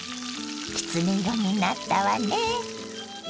きつね色になったわね。